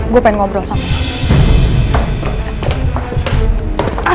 gue pengen ngobrol sama